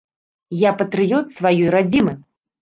Я патрыёт сваёй радзімы.